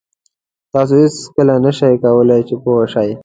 تاسو هېڅکله نه شئ کولای چې پوه شئ.